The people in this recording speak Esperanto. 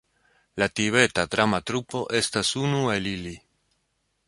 La Tibeta Drama Trupo estas unu el ili.